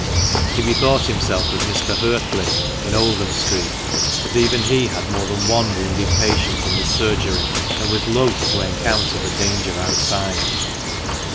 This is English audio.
He bethought himself of Mr. Huertley, in Oldham Street, but even he had more than one wounded patient in his surgery, and was loth to encounter the danger outside.